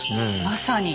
まさに。